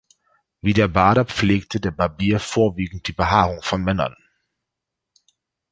Wie der Bader pflegte der Barbier vorwiegend die Behaarung von Männern.